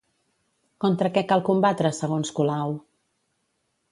Contra què cal combatre, segons Colau?